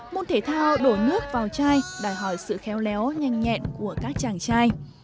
môn thể thao đổ nước vào chai đòi hỏi sự khéo léo nhanh nhẹn của các chàng trai